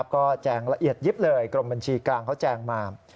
ก็แจงละเอียดยิบเลยกรมบัญชีกลางเขาแจงมา